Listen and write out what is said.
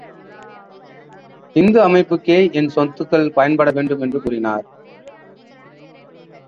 இந்த அமைப்புக்கே என் சொத்துக்கள் பயன்பட வேண்டும் என்று கூறினார்.